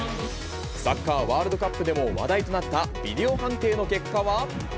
サッカーワールドカップでも話題となったビデオ判定の結果は。